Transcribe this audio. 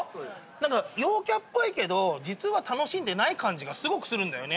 なんか陽キャっぽいけど実は楽しんでない感じがすごくするんだよね。